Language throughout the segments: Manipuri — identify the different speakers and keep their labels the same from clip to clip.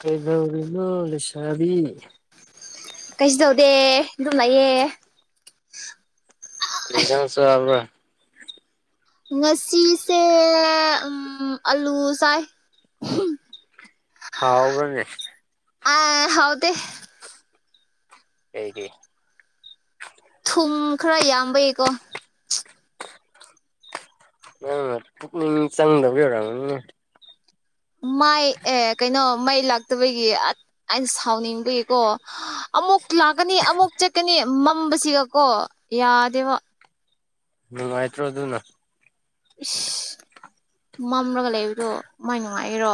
Speaker 1: ꯀꯩꯗꯧꯔꯤꯅꯣ ꯂꯩꯁꯥꯕꯤ
Speaker 2: ꯀꯩꯁꯨ ꯇꯧꯗꯦ ꯑꯗꯨꯝ ꯂꯩꯌꯦ
Speaker 1: ꯀꯩ ꯏꯟꯖꯥꯡ ꯆꯕ꯭ꯔꯥ
Speaker 2: ꯉꯁꯤꯁꯦ ꯎꯝ ꯑꯂꯨ ꯆꯥꯏ
Speaker 1: ꯍꯥꯎꯕꯔꯥꯅꯦ
Speaker 2: ꯑꯥ ꯍꯥꯎꯇꯦ
Speaker 1: ꯀꯩꯒꯤ
Speaker 2: ꯊꯨꯝ ꯈꯔ ꯌꯥꯝꯕꯩꯀꯣ
Speaker 1: ꯅꯪ ꯄꯨꯛꯅꯤꯡ ꯆꯪꯗꯕꯩ ꯑꯣꯏꯔꯝꯒꯅꯤꯅꯦ
Speaker 2: ꯃꯥꯏ ꯑꯦ ꯀꯩꯅꯣ ꯃꯩ ꯂꯥꯛꯇꯕꯒꯤ ꯑꯩꯅ ꯁꯥꯎꯅꯤꯡꯕꯒꯤꯀꯣ ꯑꯃꯨꯛ ꯂꯥꯛꯀꯥꯅꯤ ꯑꯃꯨꯛ ꯆꯠꯀꯥꯅꯤ ꯃꯝꯕꯁꯤꯒꯀꯣ ꯌꯥꯗꯦꯕ
Speaker 1: ꯅꯨꯏꯉꯥꯏꯇ꯭ꯔꯣ ꯑꯗꯨꯅ
Speaker 2: ꯏꯁ ꯃꯝꯂꯒ ꯂꯩꯕꯗꯣ ꯃꯥꯏ ꯅꯨꯡꯉꯥꯏꯒꯦꯔꯣ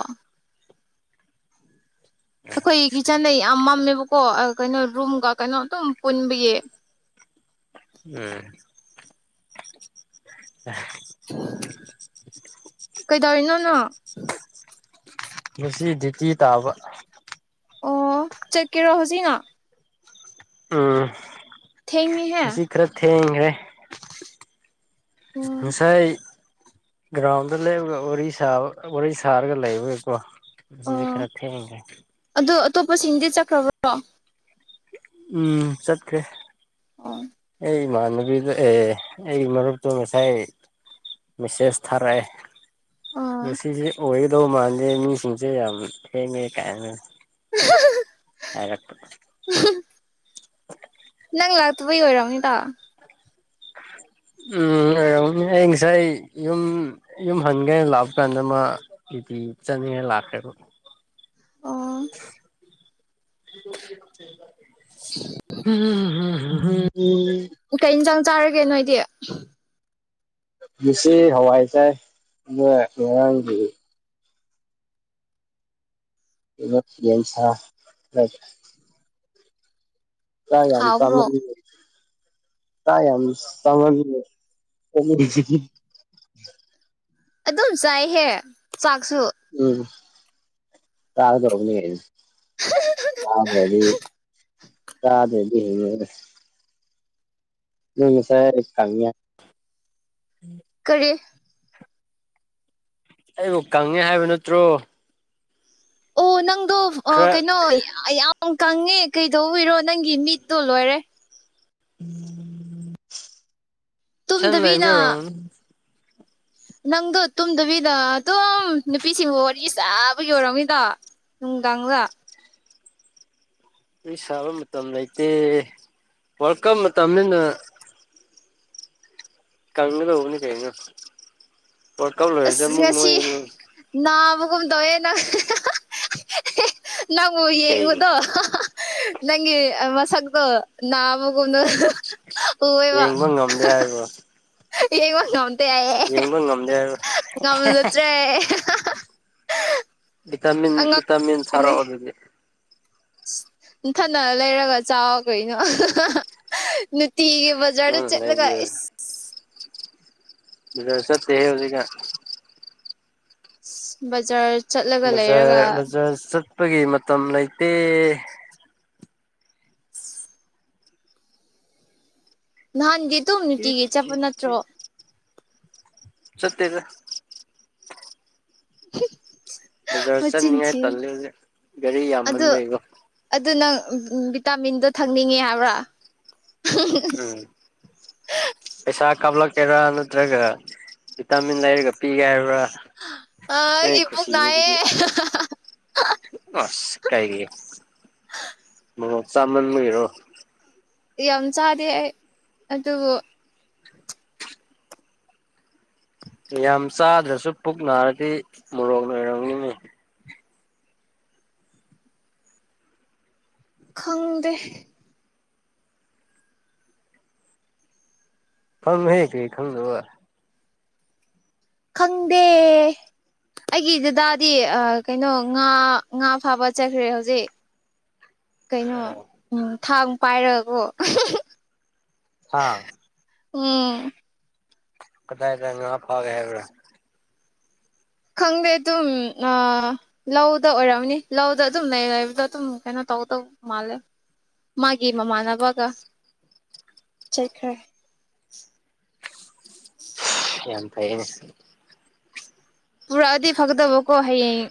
Speaker 2: ꯑꯩꯈꯣꯏ ꯀꯤꯠꯆꯟꯗꯣ ꯌꯥꯝ ꯃꯝꯃꯦꯕꯀꯣ ꯀꯩꯅꯣ ꯔꯨꯝꯒ ꯀꯩꯅꯣ ꯑꯗꯨꯝ ꯄꯨꯟꯕꯒꯤ
Speaker 1: ꯎꯝ [unintelligible]
Speaker 2: ꯀꯩꯗꯧꯔꯤꯅꯣ ꯅꯪ
Speaker 1: ꯉꯁꯤ ꯗ꯭ꯌꯨꯇꯤ ꯇꯥꯕ
Speaker 2: ꯑꯣ ꯆꯠꯀꯤꯔꯣ ꯍꯧꯖꯤꯅ
Speaker 1: ꯎꯝ
Speaker 2: ꯊꯦꯡꯉꯦꯍꯦ
Speaker 1: ꯉꯁꯤ ꯈꯔ ꯊꯦꯡꯒ꯭ꯔꯦ
Speaker 2: ꯎꯝ
Speaker 1: ꯉꯁꯥꯏ ꯒ꯭ꯔꯥꯎꯟꯗ ꯂꯩꯕꯒ ꯋꯥꯔꯤ ꯁꯥꯕ ꯋꯥꯔꯤ ꯁꯥꯔꯒ ꯂꯩꯕꯒꯤꯀꯣ ꯉꯁꯤꯗꯤ
Speaker 2: ꯑꯣ
Speaker 1: ꯈꯔ ꯊꯦꯡꯒ꯭ꯔꯦ
Speaker 2: ꯑꯗꯣ ꯑꯇꯣꯞꯄꯁꯤꯡꯗꯤ ꯆꯠꯈ꯭ꯔꯥꯕ꯭ꯔꯣ
Speaker 1: ꯎꯝ ꯆꯠꯈ꯭ꯔꯦ
Speaker 2: ꯑꯣ
Speaker 1: ꯑꯩ ꯏꯃꯥꯟꯅꯕꯤꯗ ꯑꯦ ꯑꯩꯒꯤ ꯃꯔꯨꯞꯇꯨ ꯉꯁꯥꯏ ꯃꯦꯁꯦꯁ ꯊꯥꯔꯛꯑꯦ ꯉꯁꯤꯖꯦ ꯑꯣꯏꯒꯗꯧ ꯃꯥꯟꯗꯦ ꯃꯤꯁꯤꯡꯖꯦ ꯌꯥꯝ ꯊꯦꯡꯉꯦ ꯀꯥꯏꯅ ꯍꯥꯏꯔꯛꯄ
Speaker 2: ꯎꯝꯍꯝ
Speaker 1: [unintelligible]
Speaker 2: ꯇꯨꯕꯩ ꯑꯣꯏꯔꯥꯝꯅꯤꯇꯥ
Speaker 1: ꯎꯝ ꯑꯣꯏꯔꯝꯅꯤ ꯑꯩ ꯉꯁꯥꯏ ꯌꯨꯝ ꯌꯨꯝ ꯍꯟꯒꯦꯅ ꯂꯥꯛꯄ ꯀꯥꯟꯗ ꯃꯥ [unintelligible] ꯆꯠꯅꯤꯡꯉꯥꯏ ꯂꯥꯛꯈ꯭ꯔꯦꯕ [unintelligible]
Speaker 2: ꯑꯣ
Speaker 1: ꯎꯝ
Speaker 2: ꯀꯩ ꯏꯟꯖꯥꯡ ꯆꯥꯔꯒꯦ ꯅꯣꯏꯗꯤ
Speaker 1: ꯉꯁꯤ ꯍꯋꯥꯏ ꯆꯥꯏ [unintelligible] ꯉꯔꯥꯡꯒꯤ ꯀꯩꯅꯣ ꯌꯦꯟꯁꯥ [unintelligible] ꯆꯥꯛ ꯌꯝ
Speaker 2: ꯍꯥꯎꯕ꯭ꯔꯣ
Speaker 1: ꯆꯃꯟꯕꯒꯤ ꯆꯥꯛ ꯌꯝ ꯆꯥꯃꯟꯕꯒꯤ [unintelligible]
Speaker 2: ꯑꯗꯨꯝ ꯆꯥꯏꯍꯦ ꯆꯥꯛꯁꯨ
Speaker 1: ꯎꯝ ꯆꯥꯒꯗꯧꯕꯅꯤ [unintelligible] ꯆꯗ꯭ꯔꯥꯗꯤ [unintelligible] ꯅꯣꯏ ꯉꯁꯥꯏ ꯍꯥꯏ ꯆꯥꯡꯗꯣ ꯌꯥꯏ
Speaker 2: ꯀꯔꯤ
Speaker 1: ꯑꯩꯕꯨ ꯀꯪꯉꯦ ꯍꯥꯏꯕ ꯅꯠꯇ꯭ꯔꯣ
Speaker 2: ꯑꯣ ꯅꯪꯗꯣ
Speaker 1: ꯈꯔ
Speaker 2: ꯀꯩꯅꯣ ꯌꯥꯝ ꯀꯪꯉꯦ ꯀꯩꯗꯧꯕꯔꯣ ꯅꯪꯒꯤ ꯃꯤꯠꯇꯣ ꯂꯣꯏꯔꯦ
Speaker 1: ꯊꯦꯟ ꯂꯩꯕꯤ
Speaker 2: ꯇꯨꯝꯗꯕꯤꯅ
Speaker 1: ꯑꯣꯏꯅ
Speaker 2: ꯅꯪꯗꯣ ꯇꯨꯝꯗꯕꯤꯗ ꯑꯗꯨꯝ ꯅꯨꯄꯤꯁꯤꯡꯕꯨ ꯋꯥꯔꯤ ꯁꯥꯥꯕ ꯌꯧꯔꯝꯅꯤꯗꯣ ꯅꯨꯡ ꯗꯥꯡꯗ
Speaker 1: ꯑꯩ ꯁꯥꯕ ꯃꯇꯝ ꯂꯩꯇꯦ ꯋꯥꯔꯜ ꯀꯞ ꯃꯇꯝꯅꯤꯅ ꯀꯪꯒꯗꯧꯕꯅꯤꯗꯤ ꯀꯩꯅꫭ ꯋꯥꯔ ꯀꯞ ꯂꯣꯏꯔꯗꯤ ꯑꯃꯨꯛ ꯅꯣꯏꯒꯥꯅꯤ
Speaker 2: ꯅꯅꯥꯕ ꯀꯨꯃꯗꯋꯦ ꯅ [unintelligible] ꯅꯪ
Speaker 1: ꯀꯩꯒꯤ
Speaker 2: ꯌꯦꯡꯉꯗꯣ ꯅꯪꯒꯤ ꯃꯁꯛꯗꯨ ꯅꯥꯕ ꯒꯨꯝꯅ [unintelligible]
Speaker 1: ꯌꯦꯡꯕ ꯉꯝꯗꯦ ꯍꯥꯏꯕ꯭ꯔꯣ
Speaker 2: ꯌꯦꯡꯕ ꯉꯝꯇꯦ ꯍꯥꯏꯌꯦ
Speaker 1: ꯌꯦꯡꯕ ꯉꯝꯗꯦ ꯍꯥꯏꯕ꯭ꯔꯣ
Speaker 2: ꯉꯝꯖꯗ꯭ꯔꯦ
Speaker 1: ꯚꯤꯇꯥꯃꯤꯟ ꯚꯤꯇꯥꯃꯤꯟ ꯊꯥꯔꯛꯑꯣ ꯑꯗꯨꯗꯤ
Speaker 2: ꯅꯊꯪꯅ ꯂꯩꯔꯒ ꯆꯥꯎ ꯀꯩꯅꯣ ꯅꯨꯡꯇꯤꯒꯤ ꯕꯖꯥꯔꯗ
Speaker 1: ꯅꯪꯅ
Speaker 2: ꯆꯠꯂꯒ
Speaker 1: ꯂꯩꯕꯤꯌꯣ
Speaker 2: ꯏꯁ
Speaker 1: ꯕꯥꯖꯔ ꯆꯠꯇꯦꯍꯦ ꯍꯧꯖꯤꯛꯀꯟ
Speaker 2: ꯕꯖꯥꯔ ꯆꯠꯂꯒ
Speaker 1: ꯕꯖꯥꯔ
Speaker 2: ꯂꯩꯔꯒ
Speaker 1: ꯕꯖꯥꯔ ꯆꯠꯄꯒꯤ ꯃꯇꯝ ꯂꯩꯇꯦ
Speaker 2: [inaudible] ꯅꯍꯥꯟꯗꯤ ꯑꯗꯨꯨꯝ ꯅꯨꯡꯇꯤꯒꯤ ꯆꯠꯄ ꯅꯠꯇ꯭ꯔꯣ
Speaker 1: ꯆꯠꯇꯦꯗ
Speaker 2: [inaudible]
Speaker 1: ꯕꯖꯥꯔ
Speaker 2: ꯃꯆꯤꯟ
Speaker 1: ꯆꯠꯅꯤꯡꯉꯥꯏ
Speaker 2: ꯊꯤ
Speaker 1: ꯇꯜꯂꯦ ꯍꯧꯖꯤꯛ ꯒꯥꯔꯤ
Speaker 2: ꯑꯗꯨ
Speaker 1: ꯌꯥꯝꯃꯟꯕꯩꯀꯣ
Speaker 2: ꯑꯗꯨ ꯅꯪ ꯚꯤꯇꯥꯃꯤꯟꯗꯣ ꯊꯛꯅꯤꯡꯉꯦ ꯍꯥꯏꯕ꯭ꯔꯥ
Speaker 1: ꯎꯝ ꯄꯩꯁꯥ ꯀꯥꯞꯂꯛꯀꯦꯔꯥ ꯅꯠꯇ꯭ꯔꯒ ꯚꯤꯇꯥꯃꯤꯟ ꯂꯩꯔꯒ ꯄꯤꯒꯦ ꯍꯥꯏꯕ꯭ꯔꯥ
Speaker 2: ꯑꯥ
Speaker 1: ꯅꯩ
Speaker 2: ꯑꯩꯒꯤ ꯄꯨꯛ
Speaker 1: ꯈꯨꯁꯤꯅꯤ ꯑꯗꯨꯗꯤ
Speaker 2: ꯅꯥꯏꯌꯦ
Speaker 1: ꯑꯁ ꯀꯩꯒꯤ ꯑꯣ ꯆꯥꯃꯟꯕꯩꯔꯣ
Speaker 2: ꯌꯥꯝ ꯆꯗꯦ ꯑꯩ ꯑꯗꯨꯕꯨ
Speaker 1: ꯌꯥꯝ ꯆꯥꯗ꯭ꯔꯁꯨ ꯄꯨꯛ ꯅꯥꯔꯗꯤ ꯃꯣꯔꯣꯛ ꯂꯣꯏꯔꯝꯅꯤꯅꯤ
Speaker 2: ꯈꯪꯗꯦ
Speaker 1: ꯈꯪꯉꯨꯍꯦ ꯀꯔꯤ ꯈꯪꯗꯕ
Speaker 2: ꯈꯪꯗꯦ ꯑꯩꯒꯤ ꯗꯥꯗꯤ ꯑ ꯀꯩꯅꯣ ꯉꯥ ꯉꯥ ꯐꯥꯕ ꯆꯠꯈ꯭ꯔꯦ ꯍꯧꯖꯤꯛ ꯀꯩꯅꯣ
Speaker 1: ꯑꯣ
Speaker 2: ꯊꯥꯡ ꯄꯥꯏꯔꯒꯀꯣ
Speaker 1: ꯊꯥꯡ
Speaker 2: ꯎꯝ
Speaker 1: ꯀꯗꯥꯥꯏꯗ ꯉꯥ ꯐꯒꯦ ꯍꯥꯏꯔꯨꯔ
Speaker 2: ꯈꯪꯗꯦ ꯇꯨꯝ ꯑ ꯂꯧꯗ ꯑꯣꯏꯔꯝꯅꯤ ꯂꯧꯗ ꯑꯗꯨꯝ ꯂꯩ ꯂꯩꯕꯗ ꯑꯗꯨꯝ ꯀꯩꯅꯣ ꯇꯧꯗꯧ ꯃꯥꯜꯂꯦ ꯃꯥꯒꯤ ꯃꯃꯥꯟꯅꯕꯒ ꯆꯠꯈ꯭ꯔꯦ
Speaker 1: ꯌꯥꯝ ꯐꯩꯌꯦ
Speaker 2: ꯄꯨꯔꯥꯛꯑꯗꯤ ꯐꯛꯗꯕꯀꯣ ꯍꯥꯏꯌꯦꯡ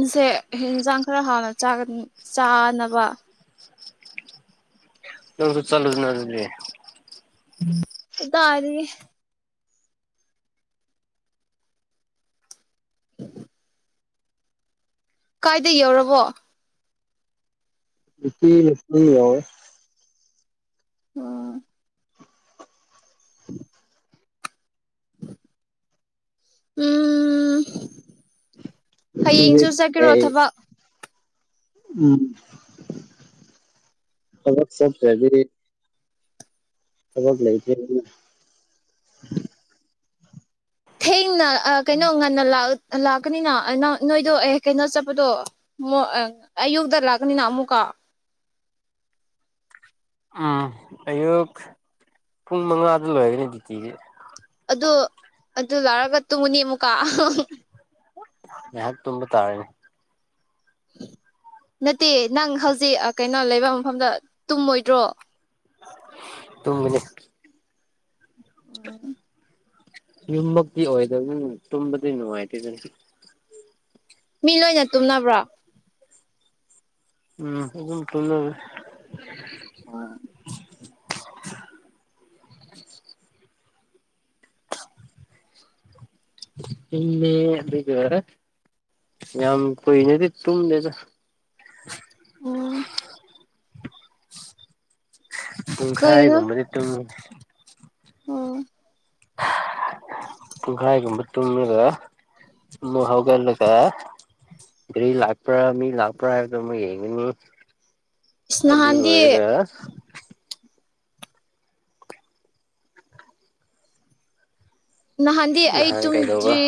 Speaker 2: ꯉꯁꯦ ꯌꯦꯟꯁꯥꯡ ꯈꯔ ꯍꯥꯎꯅ ꯆꯥꯅ ꯆꯥꯅꯕ
Speaker 1: ꯅꯪꯁꯨ ꯆꯠꯂꯨꯅ ꯑꯗꯨꯗꯤ
Speaker 2: ꯀꯗꯥꯢꯗꯒꯤ [inaudible] ꯀꯥꯏꯗ ꯌꯧꯔꯕꯣ
Speaker 1: [unintelligible]
Speaker 2: ꯑꯥ
Speaker 1: [inaudible]
Speaker 2: ꯎꯝ
Speaker 1: ꯅꯨꯄꯤꯁꯦ
Speaker 2: ꯍꯌꯦꯡꯁꯨ ꯆꯠꯀꯦꯔꯣ
Speaker 1: ꯀꯩ
Speaker 2: ꯊꯕꯛ
Speaker 1: ꯎꯝ ꯊꯕꯛ ꯆꯠꯇ꯭ꯔꯗꯤ ꯊꯕꯛ ꯂꯩꯇ꯭ꯔꯦ [unintelligible]
Speaker 2: ꯊꯦꯡꯅ ꯑ ꯀꯩꯅꯣ ꯉꯟꯅ ꯂꯥꯛ ꯂꯥꯛꯀꯅꯤꯅ ꯑꯅ ꯅꯣꯏꯗꯣ ꯑꯦ ꯀꯩꯅꯣ ꯆꯠꯄꯗꯣ ꯃꯦꯢ ꯑꯦ ꯑꯌꯨꯛꯇ ꯂꯥꯛꯀꯅꯤꯅ ꯑꯃꯨꯛꯀ
Speaker 1: ꯎꯝ ꯑꯌꯨꯛ ꯄꯨꯡ ꯃꯉꯥꯗ ꯂꯣꯏꯔꯒꯅꯤ ꯗ꯭ꯌꯨꯇꯤꯗꯤ
Speaker 2: ꯑꯗꯨ ꯑꯗꯨ ꯂꯥꯛꯔꯒ ꯇꯨꯝꯃꯨꯅꯤ ꯑꯃꯨꯛꯀꯥ
Speaker 1: ꯉꯥꯏꯍꯥꯛ ꯇꯨꯝꯕ ꯇꯥꯦꯔ‌ꯦꯅ‌ꯦ
Speaker 2: ꯅꯠꯇꯦ ꯅꯪ ꯍꯧꯖꯤꯛ ꯑꯥ ꯀꯩꯅꯣ ꯂꯩꯕꯥ ꯃꯐꯝꯗ ꯇꯨꯝꯃꯣꯏꯗ꯭ꯔꯣ
Speaker 1: ꯇꯅꯤ [unintelligible] ꯌꯨꯝꯃꯛꯇꯤ ꯑꯣꯏꯗꯕꯅꯤ ꯇꯨꯝꯕꯗꯤ ꯅꯨꯡꯉꯥꯏꯇꯦꯗꯅꯤ
Speaker 2: ꯃꯤ ꯂꯣꯏꯅ ꯇꯨꯝꯅꯕ꯭ꯔꯣ
Speaker 1: ꯎꯝ ꯑꯗꯨꯝ ꯇꯨꯝꯅꯕꯅ‌ꯦ
Speaker 2: ꯑꯣ
Speaker 1: ꯏꯟꯅꯦꯔ [unintelligible] ꯌꯥꯝ ꯀꯨꯏꯅꯗꯤ ꯇꯨꯝꯗ‌ꯦꯗ
Speaker 2: ꯑꯣ
Speaker 1: ꯄꯨꯡ
Speaker 2: ꯀꯩꯅꯣ
Speaker 1: ꯈꯥꯏꯒꯨꯝꯕꯗꯤ ꯇꯨꯝꯃꯤ
Speaker 2: ꯑꯣ
Speaker 1: ꯄꯨꯡ ꯈꯥꯏꯒꯨꯝꯕ ꯇꯨꯝꯃꯒꯥ ꯑꯃꯨꯛ ꯍꯧꯒꯠꯂꯒ ꯒꯔꯤ ꯂꯥꯛꯄ꯭ꯔ ꯃꯤ ꯂꯥꯛꯄ꯭ꯔ ꯍꯥꯏꯗꯨ ꯑꯃꯨꯛ ꯌꯦꯡꯉꯅꯤ
Speaker 2: ꯏꯁ
Speaker 1: ꯑꯗꯨ
Speaker 2: ꯅꯍꯥꯟꯗꯤ
Speaker 1: ꯂꫭꯏꯔꯒꯥ
Speaker 2: ꯅꯍꯥꯟꯗꯤ ꯑꯩ
Speaker 1: ꯅꯍꯥꯟ ꯀꯩꯗꯧꯕ
Speaker 2: ꯇꯨꯝꯗ꯭ꯔꯤ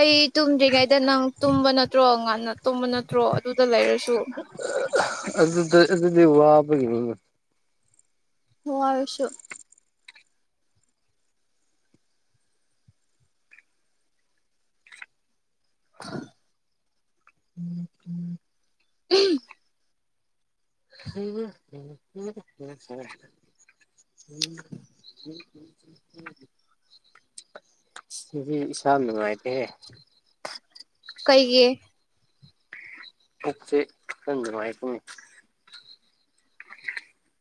Speaker 2: ꯑꯩ ꯇꯨꯝꯗ꯭ꯔꯤꯉꯩꯗ ꯅꯪ ꯇꯨꯝꯕ ꯅꯠꯇ꯭ꯔꯣ ꯉꯅ ꯇꯨꯝꯕ ꯅꯠꯇ꯭ꯔꯣ ꯑꯗꯨꯗ ꯂꯩꯔꯁꯨ
Speaker 1: ꯑꯗꯨꯗ ꯑꯗꯨꯗꯤ ꯋꯥꯕꯒꯤꯅꯤꯅ‌ꯦ
Speaker 2: ꯋꯥꯔꯁꯨ [inaudible]
Speaker 1: ꯎꯝ ꯎ [unintelligible]
Speaker 2: ꯎꯝ
Speaker 1: ꯍꯝ [unintelligible] ꯎꯝ [unintelligible] ꯉꯁꯤꯗꯤ ꯏꯁꯥ ꯅꯨꯉꯥꯎꯇ‌ꯦꯍ‌ꯦ
Speaker 2: ꯀꯩꯒꯤ
Speaker 1: ꯦ ꯁꯗꯅꯤ [unintelligible]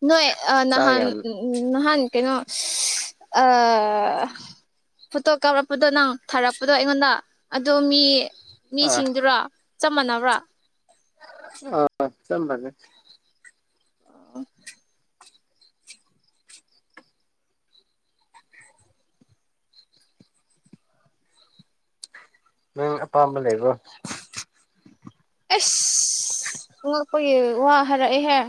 Speaker 2: ꯅꯣꯏ ꯑꯥ ꯅꯍꯥꯟ ꯅꯍꯥꯟ ꯀꯩꯅꯣ ꯑꯥ ꯐꯣꯇꯣ ꯀꯥꯞꯔꯛꯄꯗꯣ ꯅꯪ ꯊꯥꯔꯛꯄꯗꯣ ꯑꯩꯉꯣꯟꯗ ꯑꯗꯣ ꯃꯤ
Speaker 1: ꯑꯥ
Speaker 2: ꯃꯤꯁꯤꯡꯗꯨꯔꯥ ꯆꯞ ꯃꯥꯟꯅꯕ꯭ꯔꯥ
Speaker 1: ꯑ ꯆꯞ ꯃꯥꯟꯅꯩ
Speaker 2: [unintelligible]
Speaker 1: ꯅꯪ ꯑꯄꯥꯝꯕ ꯂꯩꯕ꯭ꯔꯣ
Speaker 2: ꯑꯁ ꯉꯛꯄꯒꯤ ꯋꯥ ꯍꯥꯏꯔꯛꯑꯦꯍꯦ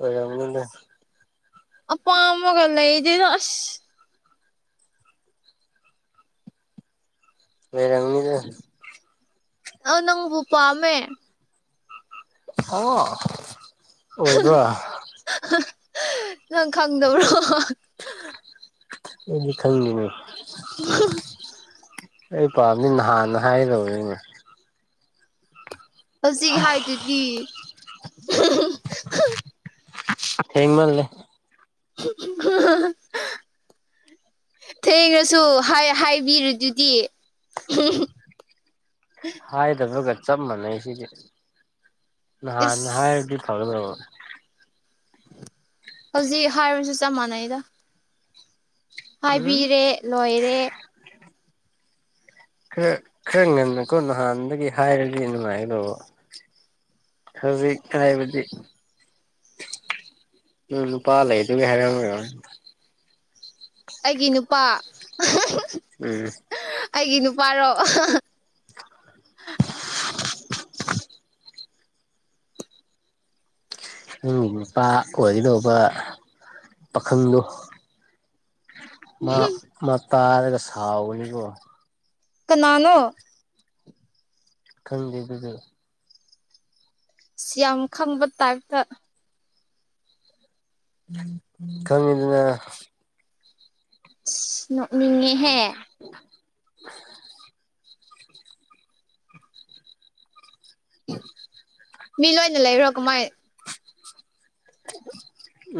Speaker 1: ꯑꯣꯏꯔꯝꯅꯤꯅꯦ
Speaker 2: ꯑꯄꯥꯝꯕꯒ ꯂꯩꯗꯦꯗ ꯑꯁ
Speaker 1: ꯂꯩꯔꯝꯅꯤꯗ
Speaker 2: ꯑ ꯅꯪꯕꯨ ꯄꯥꯝꯃꯦ
Speaker 1: ꯑꯣ ꯑꯣꯏꯕ
Speaker 2: ꯅꯪ ꯈꯪꯗꯕꯔꯣ
Speaker 1: ꯑꯩꯗꯤ ꯈꯪꯗꯦꯅꯦ
Speaker 2: [unintelligible]
Speaker 1: ꯑꯩ ꯄꯥꯝꯗꯤ ꯅꯍꯥꯟꯅ ꯍꯥꯏꯒꯅꯤꯅꯦ
Speaker 2: ꯍꯧꯖꯤꯛ ꯍꯥꯏꯗꯨꯗꯤ
Speaker 1: ꯊꯦꯡꯃꯜꯂꯦ
Speaker 2: [unintelligible] ꯊꯦꯡꯉꯁꯨ ꯍꯥꯏ ꯍꯥꯏꯕꯤꯔꯗꯨꯗꯤ
Speaker 1: ꯍꯥꯏꯗꯕꯒ ꯆꯞ ꯃꯥꯟꯅꯩꯁꯤꯗꯤ
Speaker 2: ꯏꯁ
Speaker 1: ꯅꯍꯥꯟꯅ ꯍꯥꯏꯔꯗꯤ ꯐꯒꯗꯕ
Speaker 2: ꯍꯧꯖꯤꯛ ꯍꯥꯏꯔꯁꯨ ꯆꯞ ꯃꯥꯟꯅꯩꯗ
Speaker 1: ꯎꯝ
Speaker 2: ꯍꯥꯏꯕꯤꯔꯦ ꯂꯣꯏꯔꯦ
Speaker 1: ꯈꯔ ꯈꯔ ꯉꯟꯅꯀꯣ ꯅꯍꯥꯟꯗꯒꯤ ꯍꯥꯏꯔꯗꯤ ꯅꯨꯡꯉꯥꯏꯒꯗꯧꯕ ꯍꯧꯖꯤꯛ ꯍꯥꯏꯕꯗꯤ ꯅꯣꯏ ꯅꯨꯄꯥ ꯂꯩꯗꯨꯒꯤ ꯍꯥꯏꯔꯛꯔꯔꯣꯏ
Speaker 2: ꯑꯩꯒꯤ ꯅꯨꯄꯥ
Speaker 1: ꯑꯦꯁ
Speaker 2: ꯑꯩꯒꯤ ꯅꯨꯄꯥꯔꯣ
Speaker 1: ꯅꯪꯒꯤ ꯅꯨꯄꯥ ꯑꯣꯏꯗꯧꯕ ꯄꯥꯈꯪꯗꯣ ꯃꯥ ꯃꯥ ꯇꯥꯔꯒ ꯁꯥꯎꯒꯅꯤꯕꯣ
Speaker 2: ꯀꯅꯥꯅꯣ
Speaker 1: ꯈꯪꯗꯦ ꯑꯗꯨꯗꯤ
Speaker 2: ꯁꯤ ꯌꯥꯝ ꯈꯪꯕ ꯇꯥꯏꯞꯇ
Speaker 1: ꯈꯪꯉꯤꯗꯅ
Speaker 2: ꯅꯣꯛꯅꯤꯡꯉꯦꯍꯦ ꯃꯤ ꯂꯣꯏꯅ ꯂꯩꯔꯣ ꯀꯃꯥꯏ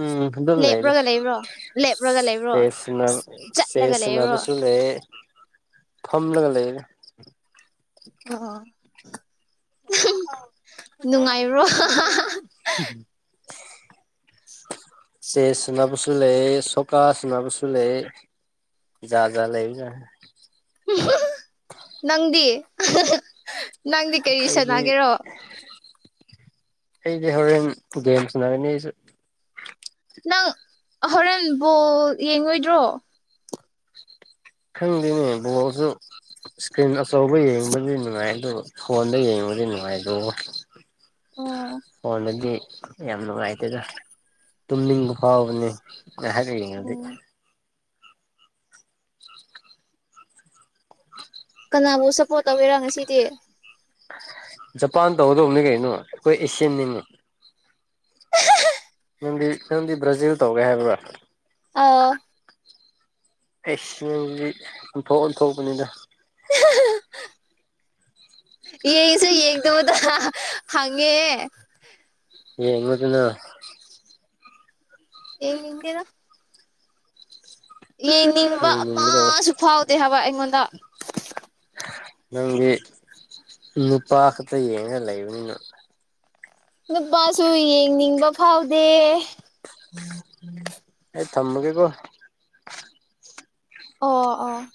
Speaker 1: ꯎꯝ ꯑꯗꯨ ꯂꯩꯔꯦ
Speaker 2: ꯂꯦꯞꯔꯒ ꯂꯩꯕ꯭ꯔꯣ ꯂꯦꯞꯔꯒ ꯂꯩꯕ꯭ꯔꯣ
Speaker 1: ꯆꯦꯁ ꯁꯥꯅ
Speaker 2: ꯆꯠꯂꯒ
Speaker 1: ꯆꯦꯁ
Speaker 2: ꯂꯩꯕ꯭ꯔꯣ
Speaker 1: ꯁꯥꯅꯄꯁꯨ ꯂꯩꯔꯦ ꯐꯝꯂꯒ ꯂꯩꯔꯦ
Speaker 2: ꯑꯣ
Speaker 1: [inaudible]
Speaker 2: ꯅꯨꯡꯉꯥꯏꯕ꯭ꯔꯣ
Speaker 1: ꯆꯦꯁ ꯁꯥꯅꯄꯁꯨ ꯂꯩꯌꯦ ꯁꯣꯀꯥ ꯁꯥꯅꯄꯁꯨ ꯂꯩꯌꯦ ꯖꯥꯖꯥ ꯂꯩꯕꯖꯥꯅꯤ
Speaker 2: ꯅꯪꯗꯤ ꯅꯪꯗꯤ ꯀꯔꯤ
Speaker 1: ꯑꯩꯗꯤ
Speaker 2: ꯁꯥꯟꯅꯒꯦꯔꯣ
Speaker 1: ꯑꯩꯗꯤ ꯍꯣꯔꯦꯟ ꯄꯨꯒꯦꯝ ꯁꯥꯅꯔꯅꯤ ꯑꯩꯁꯨ
Speaker 2: ꯅꯪ ꯍꯣꯔꯦꯟꯕꯣꯜ ꯌꯦꯡꯉꯣꯏꯗ꯭ꯔꯣ
Speaker 1: ꯈꯪꯗꯦꯅꯦ ꯕꯣꯕꯣꯜꯁꯨ ꯏꯁꯀ꯭ꯔꯤꯟ ꯑꯆꯧꯕ ꯌꯦꯡꯕꯗꯤ ꯅꯨꯡꯉꯥꯏ ꯑꯗꯨꯕꯨ ꯐꯣꯟꯗ ꯌꯦꯡꯉꯨꯕꯗꯤ ꯅꯨꯡꯉꯥꯏꯗ
Speaker 2: ꯑꯣ
Speaker 1: ꯐꯣꯟꯗꯗꯤ ꯌꯥꯝ ꯅꯨꯡꯉꯥꯏꯇꯦꯗ ꯇꯨꯝꯅꯤꯡꯕ ꯐꯥꯎꯕꯅꯤ ꯍꯥꯏꯔꯛꯏꯉꯗꯤ
Speaker 2: ꯀꯅꯥꯕꯨ ꯁꯞꯄꯣꯔꯠ ꯇꯧꯕꯤꯔꯣ ꯉꯁꯤꯗꯤ
Speaker 1: ꯖꯄꯥꯟ ꯇꯧꯍꯧꯗꯧꯕꯅꯤ ꯀꯩꯅꯣ ꯑꯩꯈꯣꯏ ꯑꯦꯁꯤꯌꯥꯟꯅꯤꯅꯤ ꯅꯪꯗꯤ ꯅꯪꯗꯤ ꯕ꯭ꯔꯥꯖꯤꯜ ꯇꯧꯒꯦ ꯍꯥꯏꯕ꯭ꯔꯥ
Speaker 2: ꯑꯣ
Speaker 1: ꯑꯩ ꯁꯤ ꯑꯣꯟꯊꯣꯛ ꯑꯣꯟꯊꯣꯛꯄꯅꯤꯗ [inaudible]
Speaker 2: ꯌꯦꯡꯉꯁꯤ ꯌꯦꯡꯗꯗ ꯍꯉꯦ
Speaker 1: ꯌꯦꯉꯗꯨꯅ
Speaker 2: ꯌꯦꯡ ꯅꯤꯡꯗꯦꯔ ꯌꯦꯡꯅꯤꯡꯕ
Speaker 1: ꯌꯦꯡꯅꯤꯡꯒꯗꯕ
Speaker 2: ꯑꯃꯁꯨ ꯐꯥꯎꯗꯦ ꯍꯥꯏꯕ ꯑꯩꯉꯣꯟꯗ
Speaker 1: ꯅꯪꯗꯤ ꯅꯨꯄꯥ ꯈꯛꯇ ꯌꯦꯡꯉ ꯂꯩꯕꯅꯤꯅ
Speaker 2: ꯅꯨꯄꯥꯁꯨ ꯌꯦꯡꯅꯤꯡꯕ ꯐꯥꯎꯗꯦ
Speaker 1: ꯑꯩ ꯊꯝꯃꯒꯦ ꯀꯣ
Speaker 2: ꯑꯣ ꯑꯣ